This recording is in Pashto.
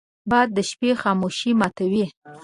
باد د شپې خاموشي ماتوي